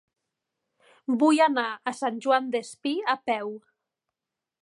Vull anar a Sant Joan Despí a peu.